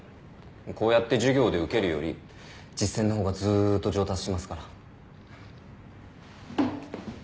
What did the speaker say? こうやって授業で受けるより実践の方がずーっと上達しますから。